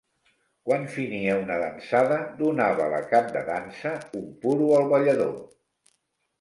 Quan finia una dansada, donava la cap de dansa un puro al ballador.